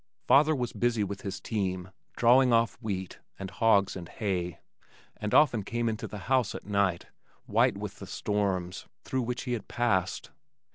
Father was busy with his team drawing off wheat and hogs and hay, and often came into the house at night, white with the storms through which he had passed.